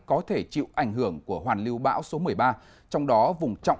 có thể chịu ảnh hưởng của hoàn lưu bão số một mươi ba